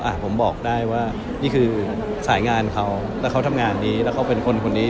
ผมบอกได้ว่านี่คือสายงานเขาแล้วเขาทำงานนี้แล้วเขาเป็นคนคนนี้